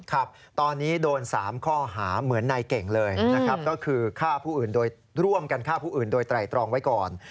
ครับตอนนี้โดน๓ข้อหาเหมือนนายเกงเลย